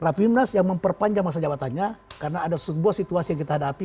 rapimnas yang memperpanjang masa jabatannya karena ada sebuah situasi yang kita hadapi